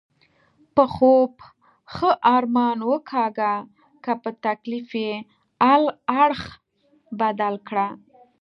په خوب ښه ارمان وکاږه، که په تکلیف یې اړخ بدل کړه.